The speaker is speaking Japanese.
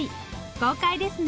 豪快ですね。